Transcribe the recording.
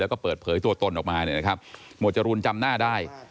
แล้วก็เปิดเผยตัวตนออกมาหมวดจรูนจำหน้าได้